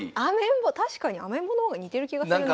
確かにアメンボの方が似てる気がする。